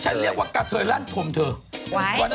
ฉันจับได้ตรงนี่เลย